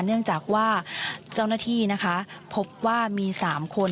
เนื่องจากว่าเจ้าหน้าที่นะคะพบว่ามี๓คน